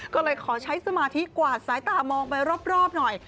ก็เลยขอใช้สมาธิกวาดสายตามองไปรอบหน่อย